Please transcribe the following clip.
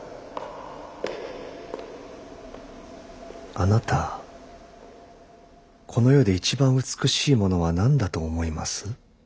あなたこの世で一番美しいものは何だと思います？